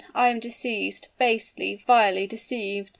I am deceived basely, vilely deceived!"